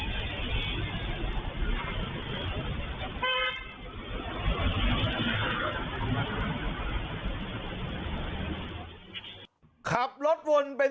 สวัสดีครับทุกคน